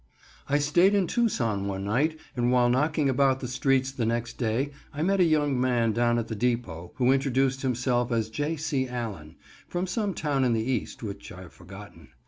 _" I stayed in Tucson one night, and while knocking about the streets the next day I met a young man down at the depot who introduced himself as J. C. Allen, from some town in the East, which I have forgotten.